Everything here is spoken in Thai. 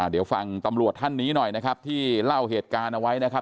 เดี๋ยวฟังตำรวจท่านนี้หน่อยนะครับที่เล่าเหตุการณ์เอาไว้นะครับ